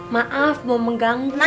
maaf mau mengganggu